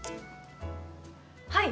はい。